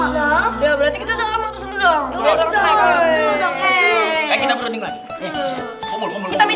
ya berarti kita selalu motosik dulu dong